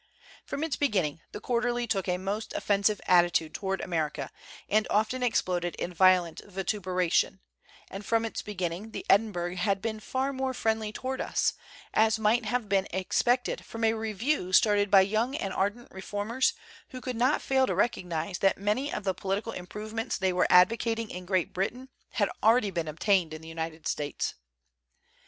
From its beginning the Quarterly took a most offensive attitude toward America Lnd often exploded in violent vituperation; and from its beginning the Edinburgh had been far more friendly toward us, as might have been ex pected from a review started by young and ar dent reformers who could not fail to recognize that many of the political improvements they were advocating in Great Britain had already been obtained in the United States.